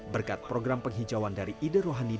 berkat program penghijauan dari ide rohani